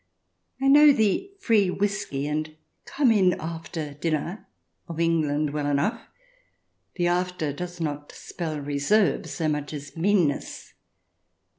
I know the free whisky and " Come in after dinner " of England well enough ; the " after " does not spell reserve so much as meanness.